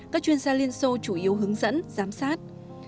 các chuyên gia liên xô chủ yếu hướng dẫn giám sát